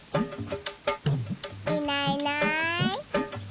いないいない。